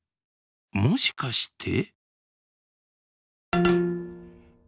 もしかして。